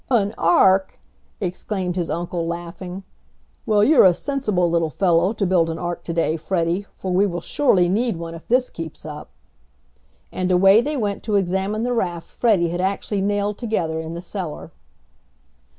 "An ark!" exclaimed his uncle, laughing. "Well, you're a sensible little fellow to build an ark to day, Freddie, for we will surely need one if this keeps up," and away they went to examine the raft Freddie had actually nailed together in the cellar.